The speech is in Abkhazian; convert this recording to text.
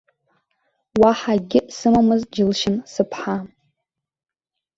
Уаҳа акгьы сымамыз џьылшьан сыԥҳа.